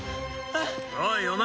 「おいお前！」